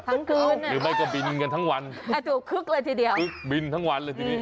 ทั้งคืนหรือไม่ก็บินกันทั้งวันกระจวบคึกเลยทีเดียวคึกบินทั้งวันเลยทีนี้